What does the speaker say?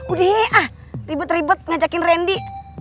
udah ribet ribet ngajakin rendy